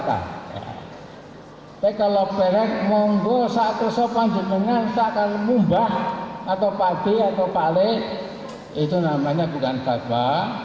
tapi kalau pelek monggo saat kesopan di tengah tak akan mumbah atau padi atau palik itu namanya bukan fatwa